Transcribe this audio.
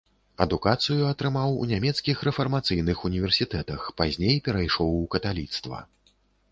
Адукацыю атрымаў у нямецкіх рэфармацыйных універсітэтах, пазней перайшоў у каталіцтва.